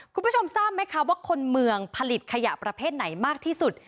คุณผู้ชมทราบไหมคะว่าคนเมืองผลิตขยะประเภทไหนมากที่สุด